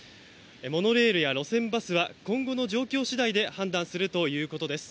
モノレールや路線バスは今後の状況次第で判断するということです。